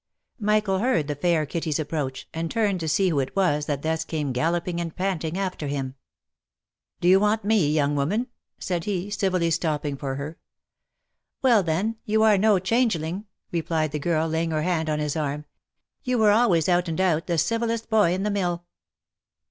Michael heard the fair Kitty's approach, and turned to see who it was that thus came galloping and panting after him. " Do you want me, young woman?" said he, civilly stopping for her. " Well then, you are no changeling !" replied the girl, laying her hand on his arm; "you were always out and out, the civilest boy in the mill."